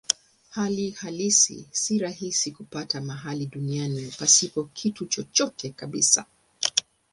Hali halisi si rahisi kupata mahali duniani pasipo kitu chochote kabisa.